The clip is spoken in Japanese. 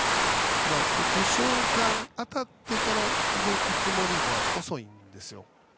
打つ瞬間当たってから動くつもりじゃ遅いんですよ。